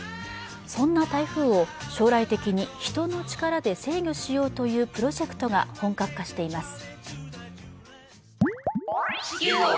そんな台風を将来的に人の力で制御しようというプロジェクトが本格化しています